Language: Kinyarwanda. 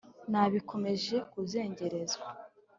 Nabikomeje kuzengerezwa,